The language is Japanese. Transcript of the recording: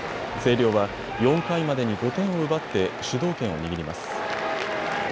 星稜は４回までに５点を奪って主導権を握ります。